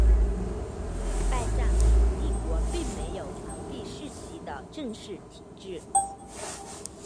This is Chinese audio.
拜占庭帝国并没有皇帝世袭的正式体制。